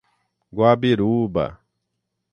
Guabiruba